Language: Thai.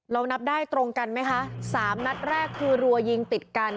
นับได้ตรงกันไหมคะสามนัดแรกคือรัวยิงติดกัน